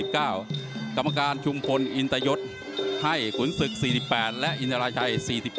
กรรมการชุมพลอินตยศให้ขุนศึก๔๘และอินทราชัย๔๗